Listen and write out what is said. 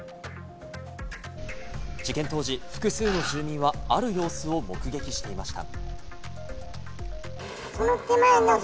事件当時、複数の住民はある様子を目撃していました。